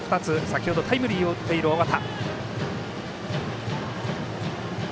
先ほどタイムリーを打っている緒方。